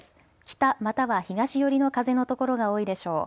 北、または東寄りの風のところが多いでしょう。